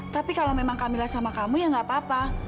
tapi kalau memang kamilah sama kamu ya nggak apa apa